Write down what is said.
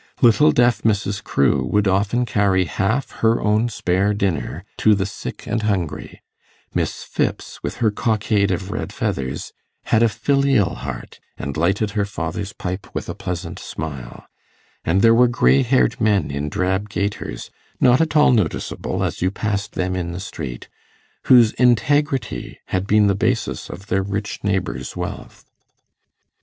Little deaf Mrs. Crewe would often carry half her own spare dinner to the sick and hungry; Miss Phipps, with her cockade of red feathers, had a filial heart, and lighted her father's pipe with a pleasant smile; and there were grey haired men in drab gaiters, not at all noticeable as you passed them in the street, whose integrity had been the basis of their rich neighbour's wealth.